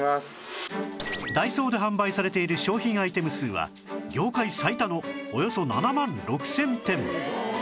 ダイソーで販売されている商品アイテム数は業界最多のおよそ７万６０００点